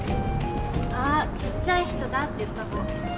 「あっちっちゃい人だ」って言ったの。